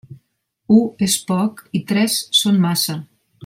U és poc i tres són massa.